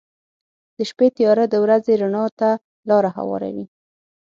• د شپې تیاره د ورځې رڼا ته لاره هواروي.